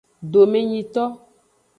Domenyito.